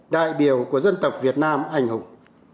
đại biểu của dân tộc việt nam anh hùng